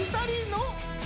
２人の？